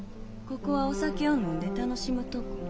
ここはお酒を飲んで楽しむとこ。